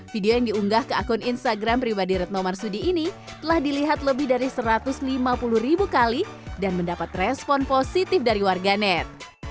video yang diunggah ke akun instagram pribadi retno marsudi ini telah dilihat lebih dari satu ratus lima puluh ribu kali dan mendapat respon positif dari warganet